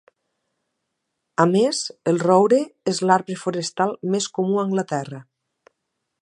A més, el roure és l'arbre forestal més comú a Anglaterra.